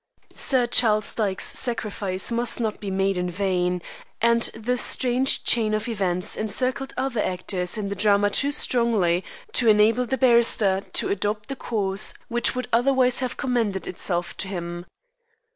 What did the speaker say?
Sir Charles Dyke's sacrifice must not be made in vain, and the strange chain of events encircled other actors in the drama too strongly to enable the barrister to adopt the course which would otherwise have commended itself to him.